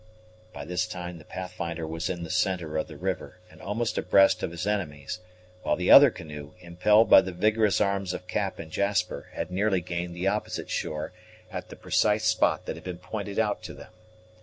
By this time the Pathfinder was in the centre of the river, and almost abreast of his enemies, while the other canoe, impelled by the vigorous arms of Cap and Jasper, had nearly gained the opposite shore at the precise spot that had been pointed out to them.